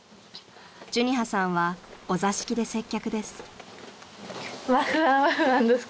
［寿仁葉さんはお座敷で接客です］